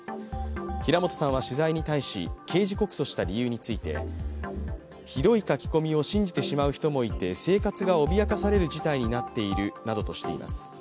平本さんは取材に対し刑事告訴した理由についてひどい書き込みを信じてしまう人もいて生活が脅かされる事態になっているなどとしています。